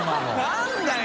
何だよ！